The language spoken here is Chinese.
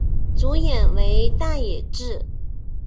主演为大野智。